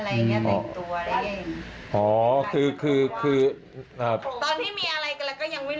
ทุกอย่างเหมือนผู้หญิงปรมหน่วย